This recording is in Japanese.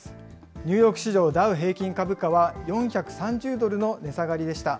ニューヨーク市場ダウ平均株価は、４３０ドルの値下がりでした。